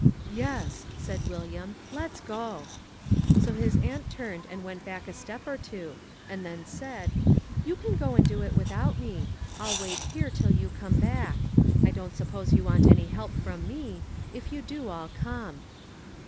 "Yes," said William; "let's go." So his aunt turned and went back a step or two, and then said, "You can go and do it without me. I'll wait here till you come back. I don't suppose you want any help from me. If you do, I'll come."